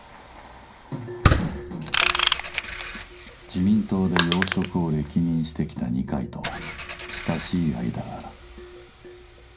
自民党で要職を歴任してきた二階とは親しい間柄。